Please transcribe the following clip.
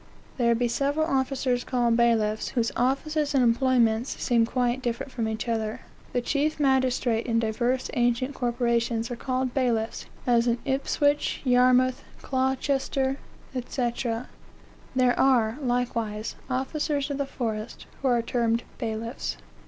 "There be several officers called bailiffs, whose offices and employments seem quite different from each other... The chief magistrate, in divers ancient corporations, are called bailiffs, as in Ipswich, Yarmouth, Colchester, &c. There are, likewise, officers of the forest, who are termed bailiffs."